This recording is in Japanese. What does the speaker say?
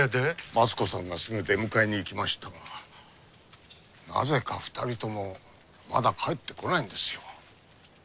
松子さんがすぐ出迎えに行きましたがなぜか２人ともまだ帰ってこないんですよ。